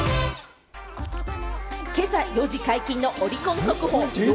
今朝４時解禁のオリコン速報。